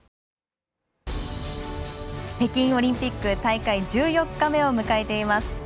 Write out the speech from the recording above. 北京オリンピック大会１４日目を迎えています。